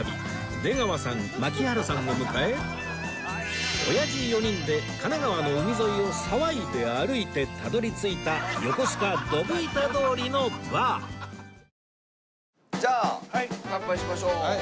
出川さん槙原さんを迎えおやじ４人で神奈川の海沿いを騒いで歩いてたどり着いた横須賀ドブ板通りのバーじゃあ乾杯しましょう。